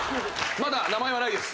まだ名前はないです！